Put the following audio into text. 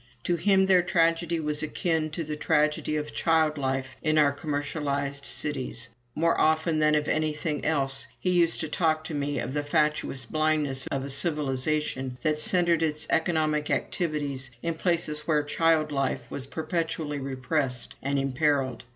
To him their tragedy was akin to the tragedy of child life in our commercialized cities. More often than of anything else, he used to talk to me of the fatuous blindness of a civilization that centred its economic activities in places where child life was perpetually repressed and imperiled.